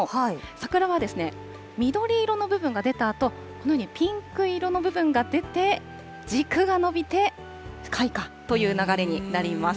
桜は緑色の部分が出たあと、このようにピンク色の部分が出て、軸が伸びて、開花という流れになります。